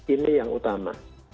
ini yang utama